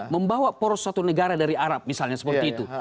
membawa poros satu negara dari arab misalnya seperti itu